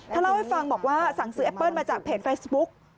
เล่าให้ฟังบอกว่าสั่งซื้อแอปเปิ้ลมาจากเพจเฟซบุ๊ก